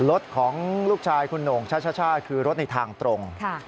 รถของลูกชายคุณโหน่งช่าคือรถในทางตรง